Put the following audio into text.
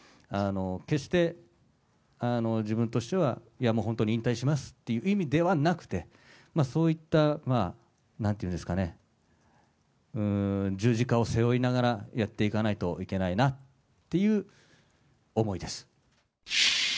決して、自分としては、いや、もう本当に引退するという意味ではなくて、そういったなんていうんですかね、十字架を背負いながらやっていかないといけないなっていう思いです。